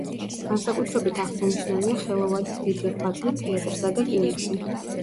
განსაკუთრებით აღსანიშნავია ხელოვანის დიდი ღვაწლი თეატრსა და კინოში.